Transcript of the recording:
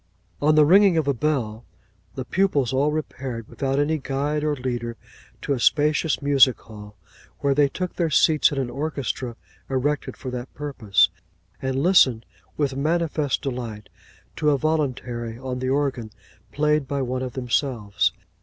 On the ringing of a bell, the pupils all repaired, without any guide or leader, to a spacious music hall, where they took their seats in an orchestra erected for that purpose, and listened with manifest delight to a voluntary on the organ, played by one of themselves.